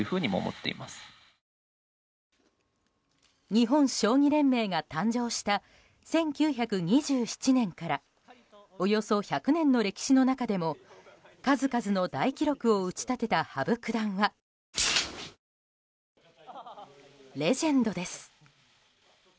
日本将棋連盟が誕生した１９２７年からおよそ１００年の歴史の中でも数々の大記録を打ち立てた羽生九段はレジェンドです。